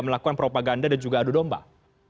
melakukan propaganda dan juga berpengaruh